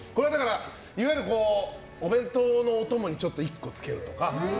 いわゆる、お弁当のお供に１個付けるとか